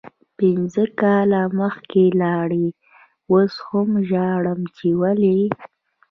پنځه کاله مخکې لاړی اوس هم ژاړم چی ولې